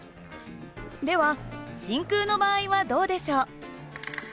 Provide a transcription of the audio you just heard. では真空の場合はどうでしょう？